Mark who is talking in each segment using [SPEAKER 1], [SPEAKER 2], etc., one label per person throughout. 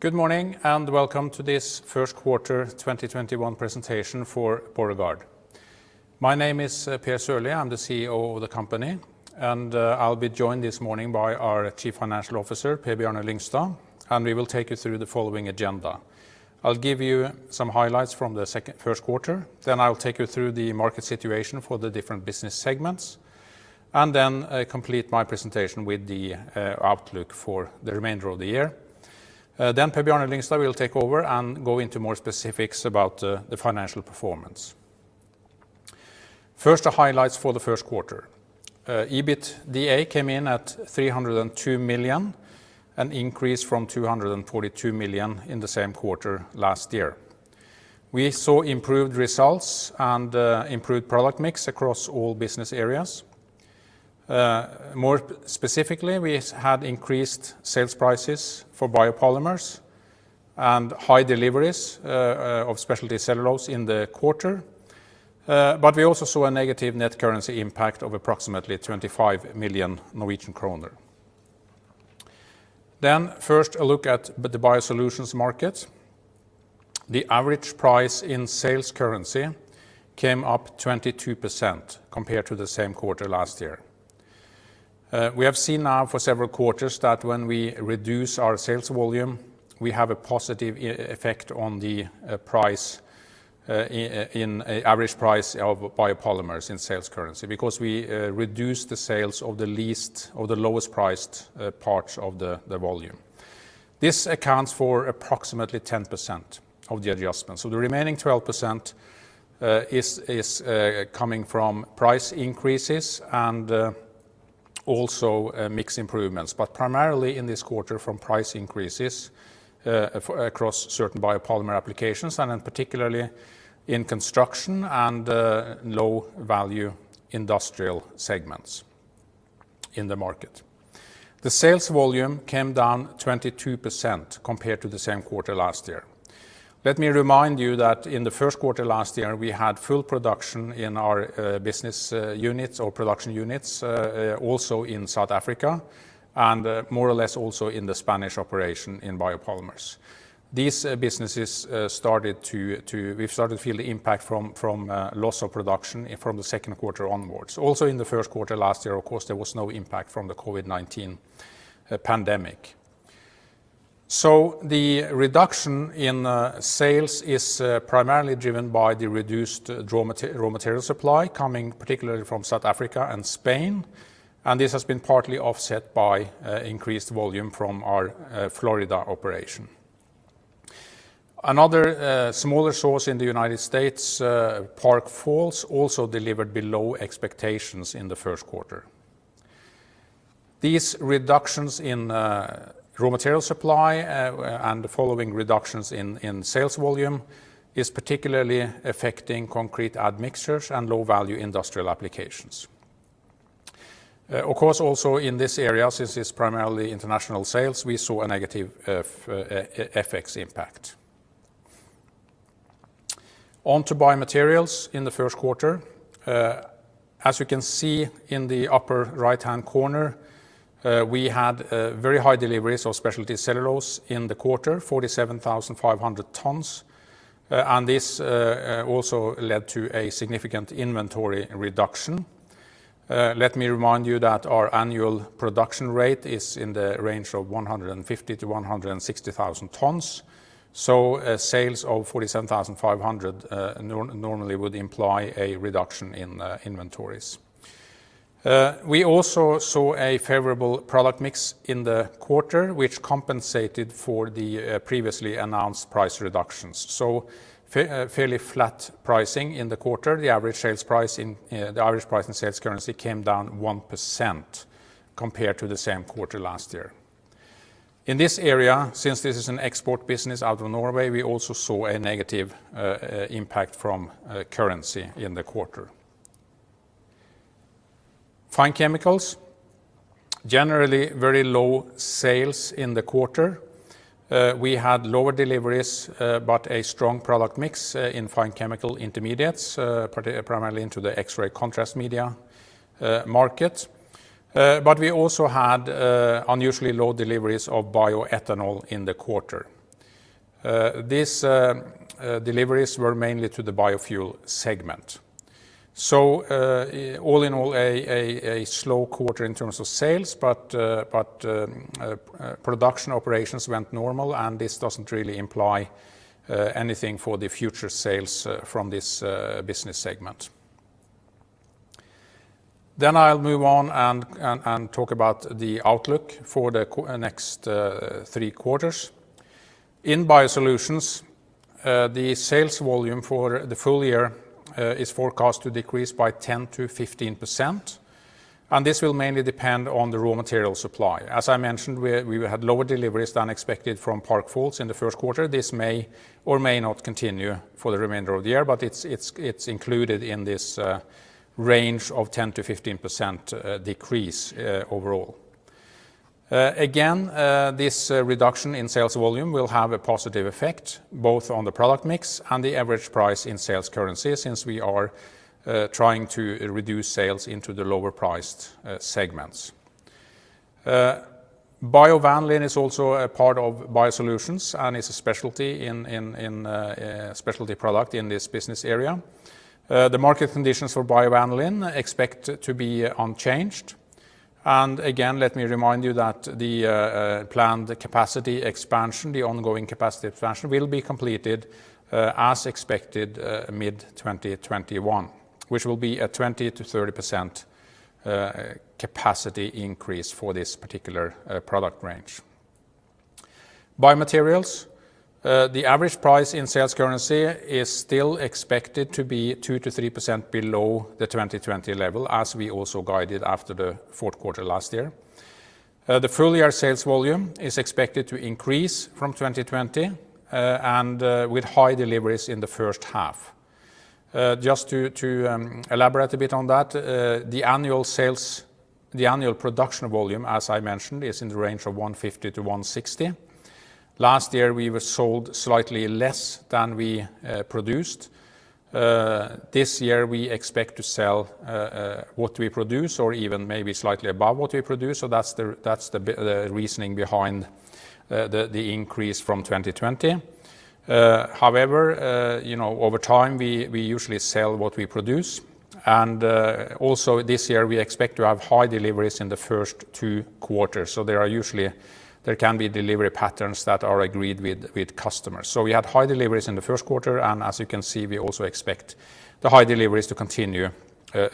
[SPEAKER 1] Good morning, and welcome to this first quarter 2021 presentation for Borregaard. My name is Per A. Sørlie, I'm the CEO of the company, and I'll be joined this morning by our Chief Financial Officer, Per Bjarne Lyngstad, and we will take you through the following agenda. I'll give you some highlights from the first quarter, then I'll take you through the market situation for the different business segments, and then complete my presentation with the outlook for the remainder of the year. Then, Per Bjarne Lyngstad will take over and go into more specifics about the financial performance. First, the highlights for the first quarter. EBITDA came in at 302 million, an increase from 242 million in the same quarter last year. We saw improved results and improved product mix across all business areas. More specifically, we had increased sales prices for biopolymers and high deliveries of specialty cellulose in the quarter. We also saw a negative net currency impact of approximately 25 million Norwegian kroner. First, a look at the BioSolutions market. The average price in sales currency came up 22% compared to the same quarter last year. We have seen now for several quarters that when we reduce our sales volume, we have a positive effect on the average price of biopolymers in sales currency, because we reduce the sales of the lowest priced parts of the volume. This accounts for approximately 10% of the adjustment. The remaining 12% is coming from price increases and also mix improvements, but primarily in this quarter from price increases across certain biopolymer applications, and particularly in construction and low-value industrial segments in the market. The sales volume came down 22% compared to the same quarter last year. Let me remind you that in the first quarter last year, we had full production in our business units or production units, also in South Africa, and more or less also in the Spanish operation in biopolymers. These businesses we've started to feel the impact from loss of production from the second quarter onwards. Also in the first quarter last year, of course, there was no impact from the COVID-19 pandemic. The reduction in sales is primarily driven by the reduced raw material supply coming particularly from South Africa and Spain, and this has been partly offset by increased volume from our Florida operation. Another smaller source in the U.S., Park Falls, also delivered below expectations in the first quarter. These reductions in raw material supply and the following reductions in sales volume is particularly affecting concrete admixtures and low-value industrial applications. Of course, also in this area, since it's primarily international sales, we saw a negative FX impact. On to BioMaterials in the first quarter. As you can see in the upper right-hand corner, we had very high deliveries of specialty cellulose in the quarter, 47,500 tons, and this also led to a significant inventory reduction. Let me remind you that our annual production rate is in the range of 150,000 to 160,000 tons, so a sales of 47,500 normally would imply a reduction in inventories. We also saw a favorable product mix in the quarter, which compensated for the previously announced price reductions. Fairly flat pricing in the quarter. The average price in sales currency came down 1% compared to the same quarter last year. In this area, since this is an export business out of Norway, we also saw a negative impact from currency in the quarter. Fine Chemicals generally very low sales in the quarter. We had lower deliveries, but a strong product mix in fine chemical intermediates, primarily into the X-ray contrast media market. We also had unusually low deliveries of bioethanol in the quarter. These deliveries were mainly to the biofuel segment. All in all, a slow quarter in terms of sales, but production operations went normal, and this doesn't really imply anything for the future sales from this business segment. I'll move on and talk about the outlook for the next three quarters. In BioSolutions, the sales volume for the full year is forecast to decrease by 10%-15%, and this will mainly depend on the raw material supply. As I mentioned, we had lower deliveries than expected from Park Falls in the first quarter. This may or may not continue for the remainder of the year, but it's included in this range of 10%-15% decrease overall. Again, this reduction in sales volume will have a positive effect, both on the product mix and the average price in sales currency, since we are trying to reduce sales into the lower-priced segments. Biovanillin is also a part of BioSolutions and is a specialty product in this business area. The market conditions for biovanillin expect to be unchanged. Again, let me remind you that the planned capacity expansion, the ongoing capacity expansion, will be completed as expected mid-2021, which will be a 20%-30% capacity increase for this particular product range. BioMaterials, the average price in sales currency is still expected to be 2%-3% below the 2020 level, as we also guided after the fourth quarter last year. The full-year sales volume is expected to increase from 2020, and with high deliveries in the first half. Just to elaborate a bit on that, the annual production volume, as I mentioned, is in the range of 150 to 160. Last year, we sold slightly less than we produced. This year, we expect to sell what we produce or even maybe slightly above what we produce. That's the reasoning behind the increase from 2020. However, over time, we usually sell what we produce, and also this year we expect to have high deliveries in the first two quarters. There can be delivery patterns that are agreed with customers. We had high deliveries in the first quarter, and as you can see, we also expect the high deliveries to continue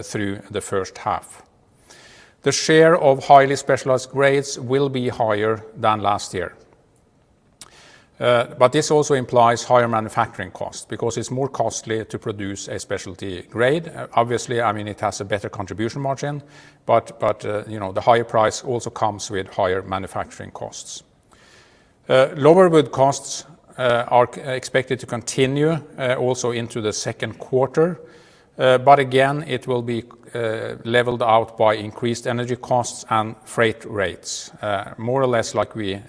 [SPEAKER 1] through the first half. The share of highly specialized grades will be higher than last year. This also implies higher manufacturing costs because it's more costly to produce a specialty grade. Obviously, it has a better contribution margin, but the higher price also comes with higher manufacturing costs. Lower wood costs are expected to continue also into the second quarter. Again, it will be leveled out by increased energy costs and freight rates. More or less like we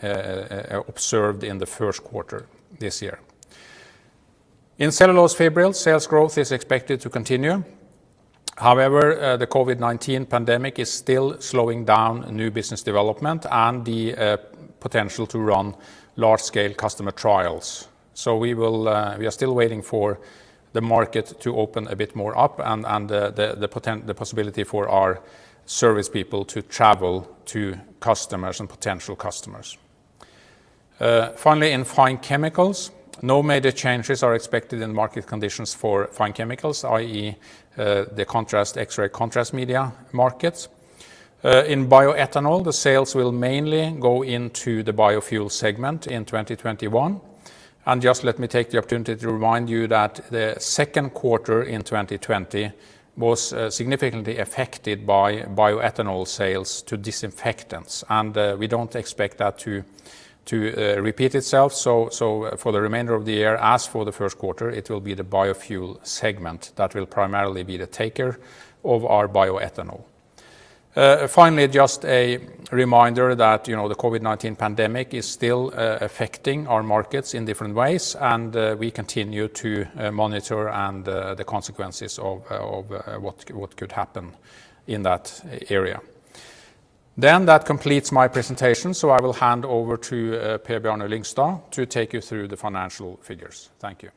[SPEAKER 1] observed in the first quarter this year. In cellulose fibrils, sales growth is expected to continue. However, the COVID-19 pandemic is still slowing down new business development and the potential to run large-scale customer trials. We are still waiting for the market to open a bit more up and the possibility for our service people to travel to customers and potential customers. Finally, in Fine Chemicals, no major changes are expected in market conditions for Fine Chemicals, i.e., the X-ray contrast media markets. In bioethanol, the sales will mainly go into the biofuel segment in 2021. Just let me take the opportunity to remind you that the second quarter in 2020 was significantly affected by bioethanol sales to disinfectants, and we don't expect that to repeat itself. For the remainder of the year, as for the first quarter, it will be the biofuel segment that will primarily be the taker of our bioethanol. Finally, just a reminder that the COVID-19 pandemic is still affecting our markets in different ways, and we continue to monitor the consequences of what could happen in that area. That completes my presentation, so I will hand over to Per Bjarne Lyngstad to take you through the financial figures. Thank you.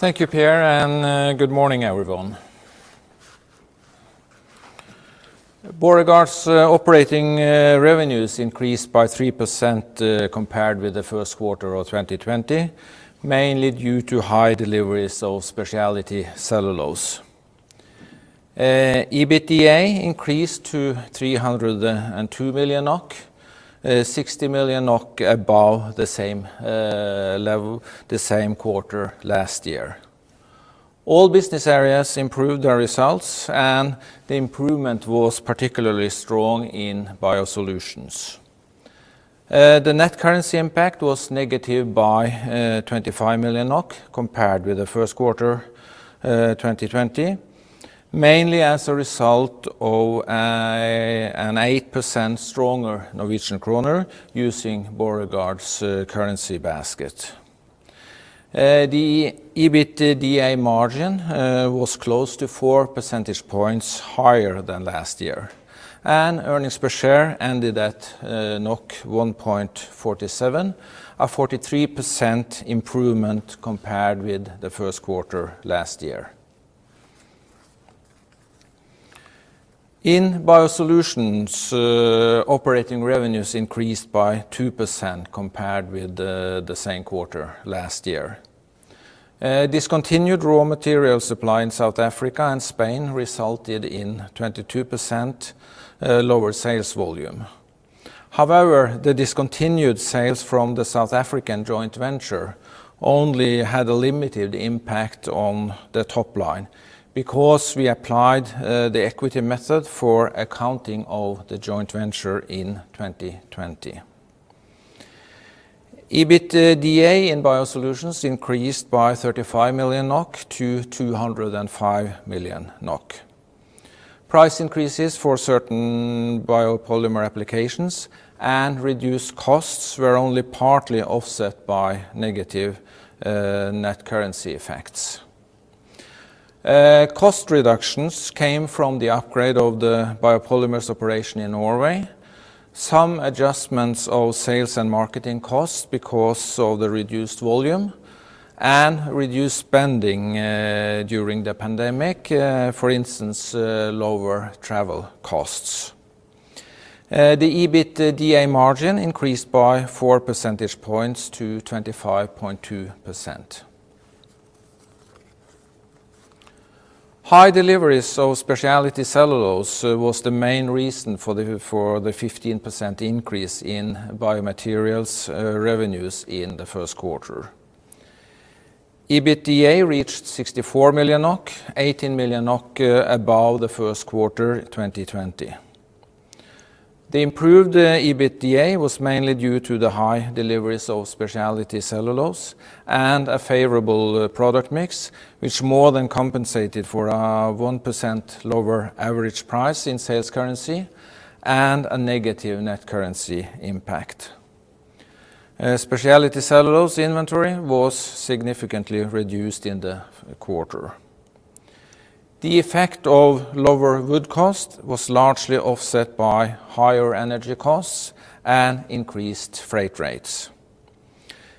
[SPEAKER 2] Thank you, Per, and good morning, everyone. Borregaard's operating revenues increased by 3% compared with the first quarter of 2020, mainly due to high deliveries of specialty cellulose. EBITDA increased to 302 million NOK, 60 million NOK above the same quarter last year. All business areas improved their results, and the improvement was particularly strong in BioSolutions. The net currency impact was negative by 25 million NOK compared with the first quarter 2020, mainly as a result of an 8% stronger Norwegian kroner using Borregaard's currency basket. The EBITDA margin was close to four percentage points higher than last year, and earnings per share ended at 1.47, a 43% improvement compared with the first quarter last year. In BioSolutions, operating revenues increased by 2% compared with the same quarter last year. Discontinued raw material supply in South Africa and Spain resulted in 22% lower sales volume. The discontinued sales from the South African joint venture only had a limited impact on the top line because we applied the equity method for accounting of the joint venture in 2020. EBITDA in BioSolutions increased by 35 million NOK to 205 million NOK. Price increases for certain biopolymer applications and reduced costs were only partly offset by negative net currency effects. Cost reductions came from the upgrade of the biopolymers operation in Norway, some adjustments of sales and marketing costs because of the reduced volume, and reduced spending during the pandemic, for instance, lower travel costs. The EBITDA margin increased by 4 percentage points to 25.2%. High deliveries of specialty cellulose was the main reason for the 15% increase in BioMaterials revenues in the first quarter. EBITDA reached 64 million NOK, 18 million NOK above the first quarter 2020. The improved EBITDA was mainly due to the high deliveries of specialty cellulose and a favorable product mix, which more than compensated for a 1% lower average price in sales currency and a negative net currency impact. Specialty cellulose inventory was significantly reduced in the quarter. The effect of lower wood cost was largely offset by higher energy costs and increased freight rates.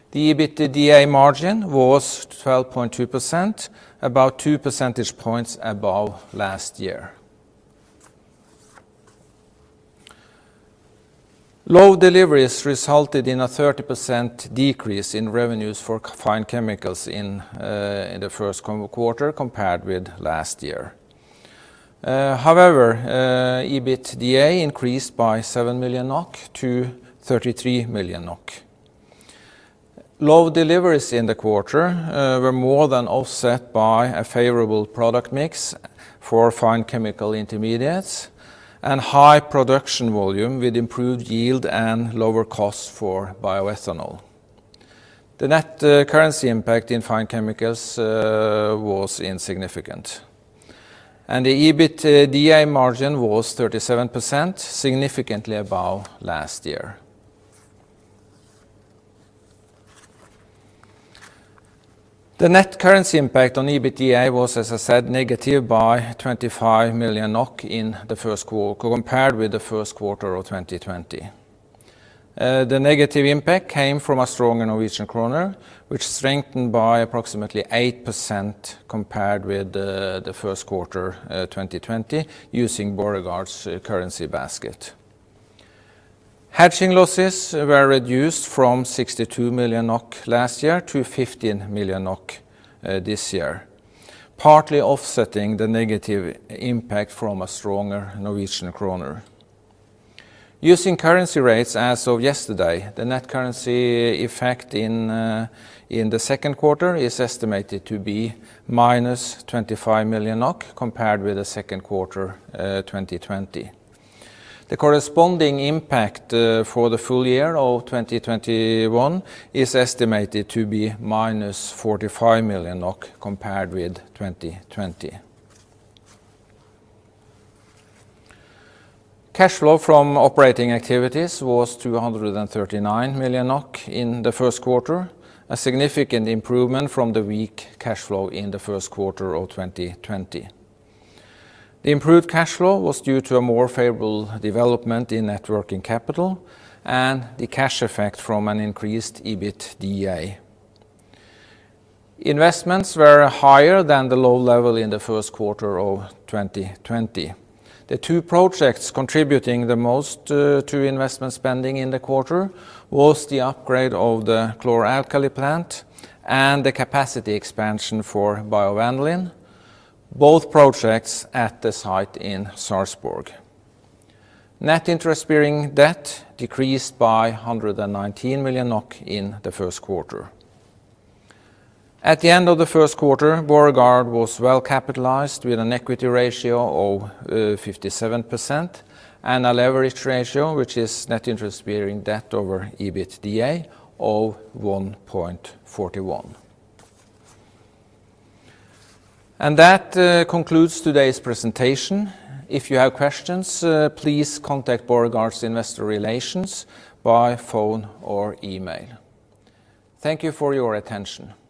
[SPEAKER 2] The EBITDA margin was 12.2%, about 2 percentage points above last year. Low deliveries resulted in a 30% decrease in revenues for Fine Chemicals in the first quarter compared with last year. However, EBITDA increased by 7 million NOK to 33 million NOK. Low deliveries in the quarter were more than offset by a favorable product mix for fine chemical intermediates and high production volume with improved yield and lower costs for bioethanol. The net currency impact in Fine Chemicals was insignificant, and the EBITDA margin was 37%, significantly above last year. The net currency impact on EBITDA was, as I said, negative by 25 million NOK in the first quarter compared with the first quarter of 2020. The negative impact came from a stronger Norwegian kroner, which strengthened by approximately 8% compared with the first quarter 2020 using Borregaard's currency basket. Hedging losses were reduced from 62 million NOK last year to 15 million NOK this year, partly offsetting the negative impact from a stronger Norwegian kroner. Using currency rates as of yesterday, the net currency effect in the second quarter is estimated to be -25 million NOK compared with the second quarter 2020. The corresponding impact for the full year of 2021 is estimated to be -45 million NOK compared with 2020. Cash flow from operating activities was 239 million NOK in the first quarter, a significant improvement from the weak cash flow in the first quarter of 2020. The improved cash flow was due to a more favorable development in net working capital and the cash effect from an increased EBITDA. Investments were higher than the low level in the first quarter of 2020. The two projects contributing the most to investment spending in the quarter was the upgrade of the chlor-alkali plant and the capacity expansion for biovanillin, both projects at the site in Sarpsborg. Net interest-bearing debt decreased by 119 million NOK in the first quarter. At the end of the first quarter, Borregaard was well capitalized with an equity ratio of 57% and a leverage ratio, which is net interest-bearing debt over EBITDA, of 1.41. That concludes today's presentation. If you have questions, please contact Borregaard's investor relations by phone or email. Thank you for your attention.